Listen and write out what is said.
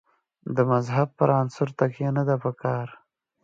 د مذهب پر عنصر تکیه نه ده په کار.